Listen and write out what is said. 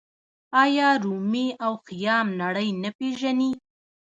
آیا رومي او خیام نړۍ نه پیژني؟